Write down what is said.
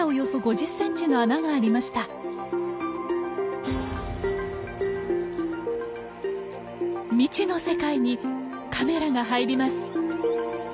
未知の世界にカメラが入ります。